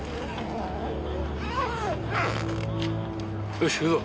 よしいくぞ。